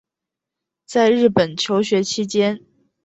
在日本求学期间